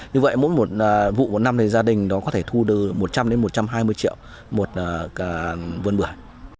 như vậy mỗi vụ một năm thì gia đình có thể thu được một trăm linh một trăm hai mươi triệu một vườn bưởi